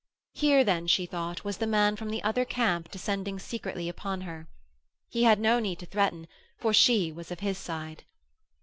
Here then, she thought, was the man from the other camp descending secretly upon her. He had no need to threaten, for she was of his side.